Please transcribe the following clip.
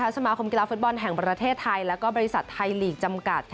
สมาคมกีฬาฟุตบอลแห่งประเทศไทยและบริษัทไทยลีกจำกัด